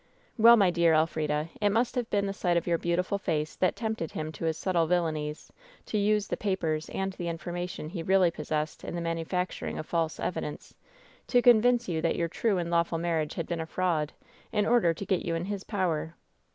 "Well, my dear Elfrida, it must have been the. sight of your beautiful face that tempted him to his subtle villainies; to use the papers and the information he really possessed in the manufacturing of false evidence, to convince you that your true and lawful marriage had been a fraud, in order to get you in his power."